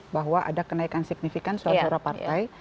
bahwa ada kenaikan signifikan surat suara partai